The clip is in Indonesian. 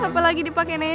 apalagi dipake nenek